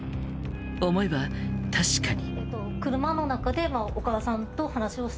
思えば確かに。